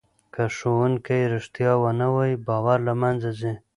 که ښوونکی رښتیا ونه وایي باور له منځه ځي.